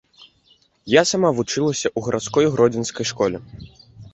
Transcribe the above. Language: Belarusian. Я сама вучылася ў гарадской гродзенскай школе.